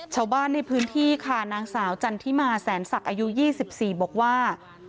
ชาวบ้านในพื้นที่ค่ะนางสาวจันทิมาแสนศักดิ์อายุ๒๔บอกว่า